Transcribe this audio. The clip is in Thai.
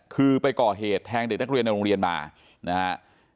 คือไปก่อเหตุแทงเด็กนักเรียนในโรงเรียนมานะครับ